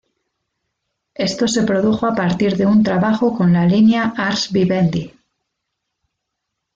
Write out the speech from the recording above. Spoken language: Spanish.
Esto se produjo a partir de un trabajo con la línea Ars Vivendi.